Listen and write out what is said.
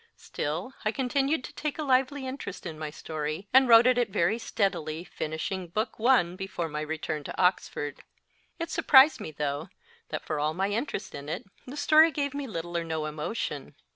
Still, I continued to take a lively interest in my story, and wrote at it very steadily, finishing Book I. before my return to Oxford. It surprised me, though, that, for all my interest in it, the story gave me little or no emotion.